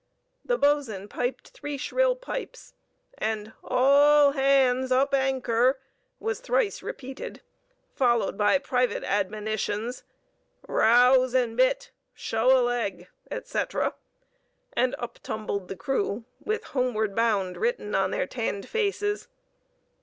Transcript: The boatswain piped three shrill pipes, and "All hands up anchor" was thrice repeated forward, followed by private admonitions, "Rouse and bitt!" "Show a leg!" etc., and up tumbled the crew with "homeward bound" written on their tanned faces.